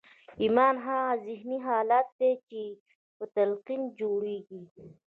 ایمان هغه ذهني حالت دی چې په تلقین جوړېږي